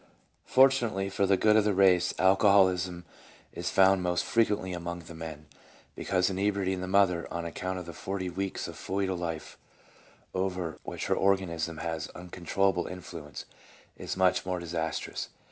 Fortunately for the good of the race, alcoholism is found most frequently among the men, because inebriety in the mother, on account of the forty weeks of fcetal life over which her organism has uncontrollable influence, is much more disastrous.